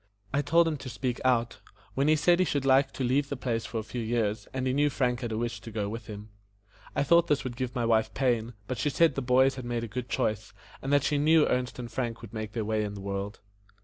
I told him to speak out, when he said he should like to leave the place for a few years, and he knew Frank had a wish to go with him. I thought this would give my wife pain, but she said that the boys had made a good choice, and that she knew Ernest and Frank would make their way in the world.